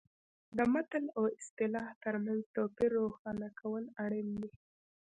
د متل او اصطلاح ترمنځ توپیر روښانه کول اړین دي